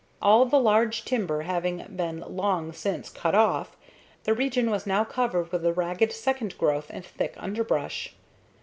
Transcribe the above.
All the large timber having been long since cut off, the region was now covered with a ragged second growth and thick underbrush.